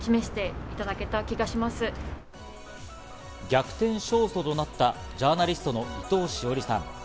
逆転勝訴となったジャーナリストの伊藤詩織さん。